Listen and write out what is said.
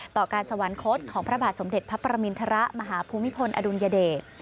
ต่อการสวรรคตของพระบาทสมเด็จพระปรมินทรมาหาภูมิพลอดุลยเดช